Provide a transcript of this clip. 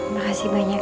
makasih banyak ya ma